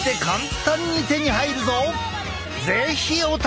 是非お試しあれ！